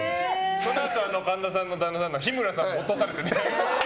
そのあと神田さんの旦那さんの日村さんが落とされてた。